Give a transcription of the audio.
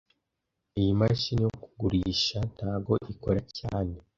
Iyi mashini yo kugurisha ntago ikora cyane